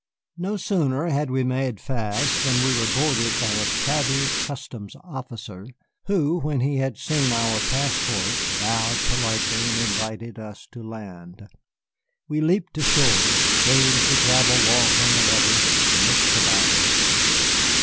No sooner had we made fast than we were boarded by a shabby customs officer who, when he had seen our passports, bowed politely and invited us to land. We leaped ashore, gained the gravelled walk on the levee, and looked about us.